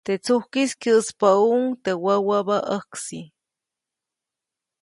Teʼ tsujkʼis kyäʼspäʼuʼuŋ teʼ wäwäbä ʼäjksi.